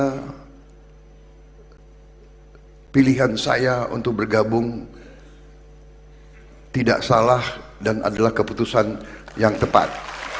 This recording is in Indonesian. hai pilihan saya untuk bergabung tidak salah dan adalah keputusan yang tepat